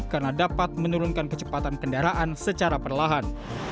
karena dapat menurunkan kecepatan kendaraan secara perlahan